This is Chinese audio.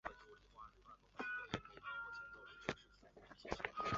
共设四个出入口。